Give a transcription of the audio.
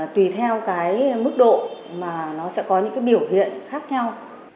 tùy theo cái mức độ mà nó sẽ có những cái biểu hiện khác nhau